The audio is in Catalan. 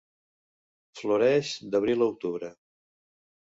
Floreix d'abril a octubre.